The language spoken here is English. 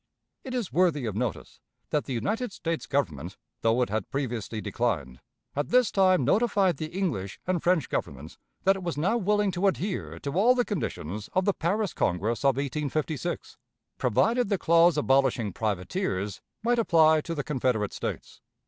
It is worthy of notice that the United States Government (though it had previously declined) at this time notified the English and French Governments that it was now willing to adhere to all the conditions of the Paris Congress of 1856, provided the clause abolishing privateers might apply to the Confederate States.